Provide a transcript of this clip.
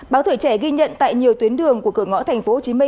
báo tuổi trẻ ghi nhận tại nhiều tuyến đường của cửa ngõ tp hcm